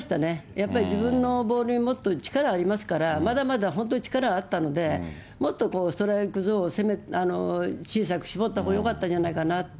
やっぱり自分のボールにもっと力ありますから、まだまだ本当に力あったので、もっとストライクゾーンを攻めて、小さく絞ったほうがよかったんじゃないかなって。